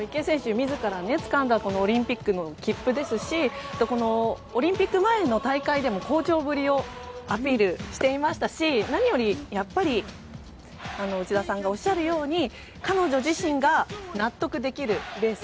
自らつかんだオリンピックの切符ですしオリンピック前の大会でも好調ぶりをアピールしていましたし何よりやっぱり内田さんがおっしゃるように彼女自身が納得できるレース。